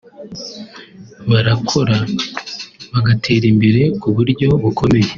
barakora bagatera imbere ku buryo bukomeye